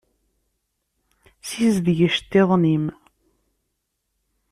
Sizdeg iceṭṭiḍen-im.